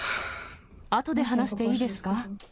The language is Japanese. あとで話していいですか？